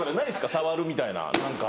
触るみたいな何か。